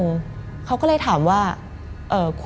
มันกลายเป็นรูปของคนที่กำลังขโมยคิ้วแล้วก็ร้องไห้อยู่